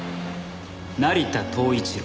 成田藤一郎